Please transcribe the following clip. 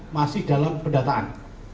masih dalam pendataan